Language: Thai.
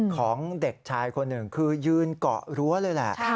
ของเด็กชายคนหนึ่งคือยืนเกาะรั้วเลยแหละ